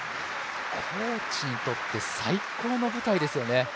コーチにとって最高の舞台ですよね。